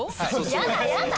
やだやだ！